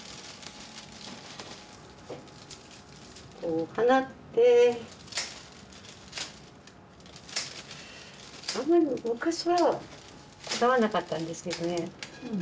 お花ってあんまり昔はこだわんなかったんですけどね。